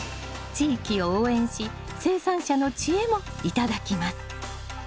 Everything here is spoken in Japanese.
地域を応援し生産者の知恵も頂きます。